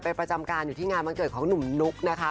ประจำการอยู่ที่งานวันเกิดของหนุ่มนุ๊กนะคะ